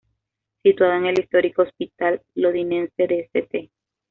Situado en el histórico Hospital londinense de St.